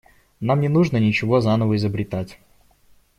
Нам не нужно ничего заново изобретать.